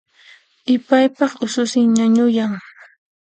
Ipaypaq ususin ñañuyan